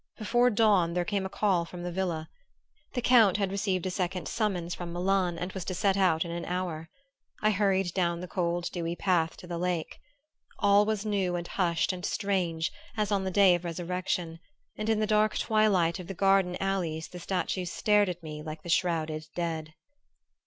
Before dawn there came a call from the villa. The Count had received a second summons from Milan and was to set out in an hour. I hurried down the cold dewy path to the lake. All was new and hushed and strange as on the day of resurrection; and in the dark twilight of the garden alleys the statues stared at me like the shrouded dead.